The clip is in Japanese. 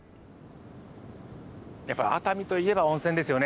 やっぱり熱海といえば温泉ですよね。